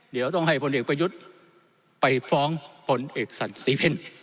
เดี๋ยวต้องให้บนเอกประยุทธ์ไปฟ้องบนเอกสัตว์สีเพ็ญ